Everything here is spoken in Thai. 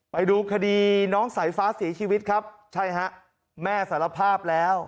ไปดูคดีน้องสายฟ้าเสียชีวิตครับใช่ฮะแม่สารภาพแล้ว